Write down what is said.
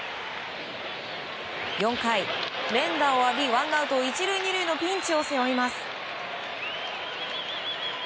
４回、連打を浴びワンアウト１塁２塁のピンチを背負います。